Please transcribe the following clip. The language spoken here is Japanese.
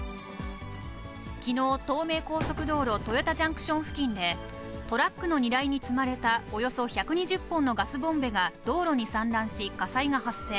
きのう、東名高速道路豊田ジャンクション付近で、トラックの荷台に積まれたおよそ１２０本のガスボンベが道路に散乱し、火災が発生。